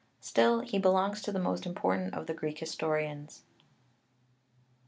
Still he belongs to the most important of the Greek historians (Lübker).